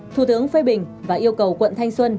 thủ tướng phê bình và yêu cầu quận thanh xuân